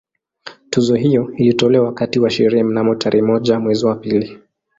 Tuzo hiyo ilitolewa wakati wa sherehe mnamo tarehe moja mwezi wa pili